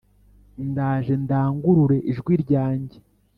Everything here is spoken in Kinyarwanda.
ndaje ndangurure ijwi ryange